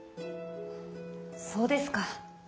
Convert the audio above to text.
そうですか。